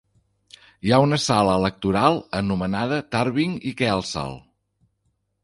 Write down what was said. Hi ha una sala electoral anomenada Tarvin i Kelsall.